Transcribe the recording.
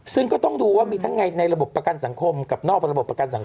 ซึ่งก็ต้องดูว่ามีทั้งในระบบประกันสังคมกับนอกระบบประกันสังคม